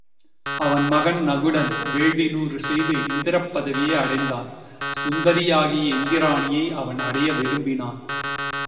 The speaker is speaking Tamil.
அவன் மகன் நகுடன் வேள்வி நூறு செய்து இந்திரப் பதவியை அடைந்தான், சுந்தரியாகிய இந்திராணியை அவன் அடைய விரும்பினான்.